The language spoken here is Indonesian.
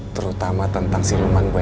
terutama tentang siluman gini